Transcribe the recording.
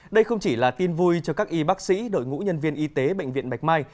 đây không chỉ là tin vui cho các y bác sĩ đội ngũ nhân viên y tế bệnh viện bạch mai